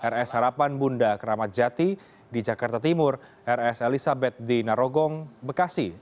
rs harapan bunda keramat jati di jakarta timur rs elizabeth di narogong bekasi